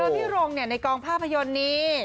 พี่โรงในกล้องภาพยนนี้